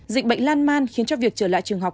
dịch bệnh lan man khiến cho việc trở lại trường học